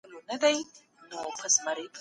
د يتيم حق خوړل لويه جفا ده.